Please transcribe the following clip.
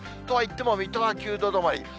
とはいっても水戸は９度止まり。